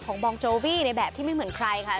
บองโจวี่ในแบบที่ไม่เหมือนใครค่ะ